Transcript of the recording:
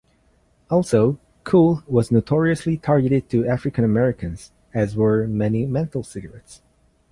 Also, Kool was notoriously targeted to African-Americans, as were many menthol cigarettes.